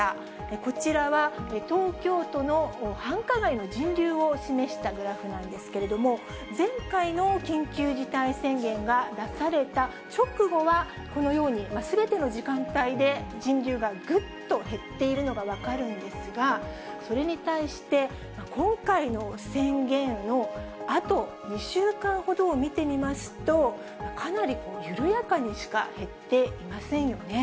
こちらは、東京都の繁華街の人流を示したグラフなんですけれども、前回の緊急事態宣言が出された直後は、このように、すべての時間帯で人流がぐっと減っているのが分かるんですが、それに対して、今回の宣言のあと、２週間ほどを見てみますと、かなり緩やかにしか減っていませんよね。